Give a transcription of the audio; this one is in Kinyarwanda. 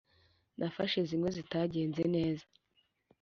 nafashe zimwe zitagenze neza,